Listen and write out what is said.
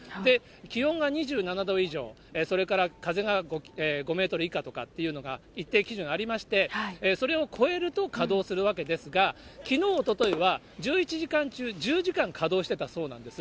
気温が２７度以上、それから風が５メートル以下とかっていうのが、一定基準ありまして、それを超えると、稼働するわけですが、きのう、おとといは１１時間中１０時間稼働していたそうなんです。